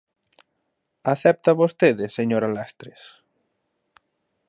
¿Acepta vostede, señora Lastres?